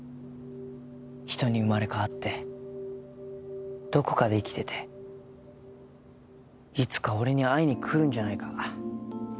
人に生まれ変わってどこかで生きてていつか俺に会いに来るんじゃないか。